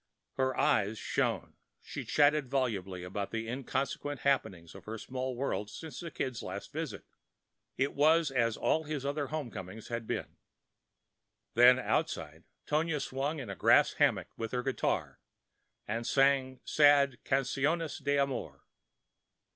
Her eyes shone; she chatted volubly of the inconsequent happenings of her small world since the Kid's last visit; it was as all his other home comings had been. Then outside Tonia swung in a grass hammock with her guitar and sang sad canciones de amor.